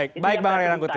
ini yang saya katakan tadi